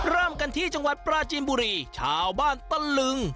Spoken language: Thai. เริ่มกันที่จังหวัดปราจีนบุรีชาวบ้านตะลึง